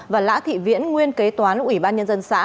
và lã thị viễn nguyên kế toán ủy ban nhân dân xã